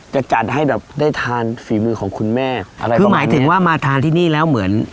จะจัดให้แบบได้ทานฝีมือของคุณแม่อะไรคือหมายถึงว่ามาทานที่นี่แล้วเหมือน